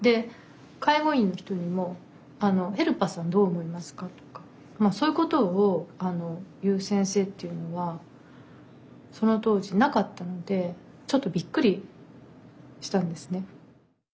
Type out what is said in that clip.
介護員の人にも「ヘルパーさんどう思いますか？」とかそういうことを言う先生っていうのはその当時いなかったのでちょっとびっくりしたんですね。